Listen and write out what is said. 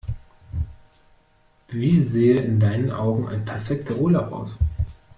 Wie sähe in deinen Augen ein perfekter Urlaub aus?